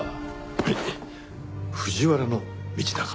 はい藤原道長。